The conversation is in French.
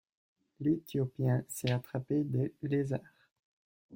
L’éthiopien sait attraper des lézards.